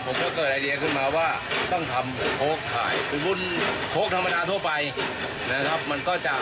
ผมก็เกิดไอเดียขึ้นมาว่าต้องทำโค้กถ่าย